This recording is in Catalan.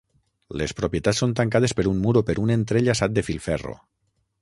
Les propietats són tancades per un mur o per un entrellaçat de filferro.